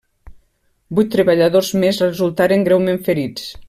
Vuit treballadors més resultaren greument ferits.